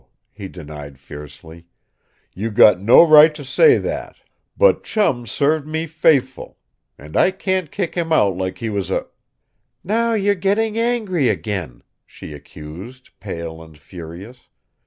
he denied fiercely. "You got no right to say that! But Chum's served me faithful. And I can't kick him out like he was a " "Now you are getting angry again!" she accused, pale and furious.